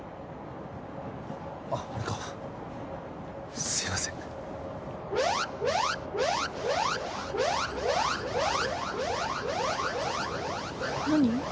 あっあれかすいません何？